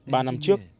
ba năm trước